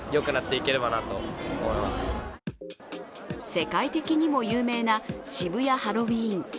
世界的にも有名な渋谷ハロウィーン。